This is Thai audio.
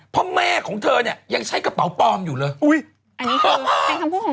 เพราะแม่ของเธอนี้ยังใช้กระเป๋าปอมอยู่เลย